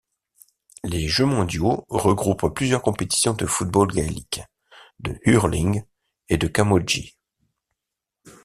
Les jeux mondiaux regroupent plusieurs compétitions de football gaélique, de hurling et de Camogie.